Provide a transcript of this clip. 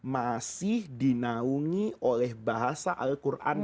masih dinaungi oleh bahasa al quran